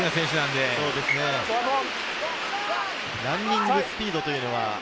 ランニングスピードというのは。